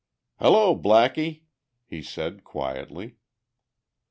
"Hello, Blackie," he said quietly.